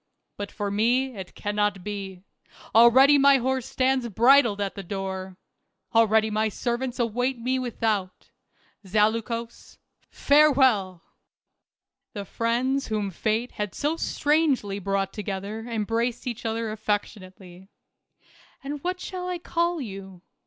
But for me it cannot be. Already my horse stands bridled at the door ; already my servants await me without. Zaleukos, farewell !" THE CAB AVAN. 235 The friends whom Fate had so strangely brought together embraced each other affection ately. "And'what shall I call you